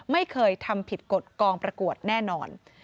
ไม่เคยทำผิดกฎกองประกวดแน่นอน